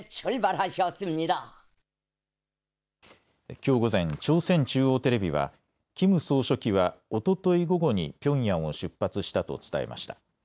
きょう午前、朝鮮中央テレビはキム総書記は、おととい午後にピョンヤンを出発したと伝えました。